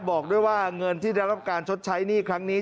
บอกด้วยว่าเงินที่ได้รับการชดใช้หนี้ครั้งนี้